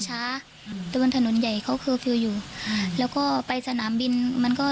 ช้าตะเบียนถนนใหญ่เขาอยู่แล้วก็ไปสนามบินมันก็